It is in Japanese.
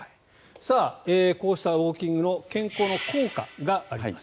こうしたウォーキングの健康の効果があります。